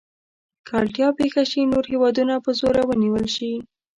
که اړتیا پېښه شي نور هېوادونه په زوره ونیول شي.